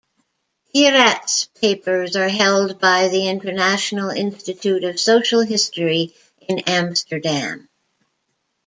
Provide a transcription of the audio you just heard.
Peirats papers are held by the International Institute of Social History in Amsterdam.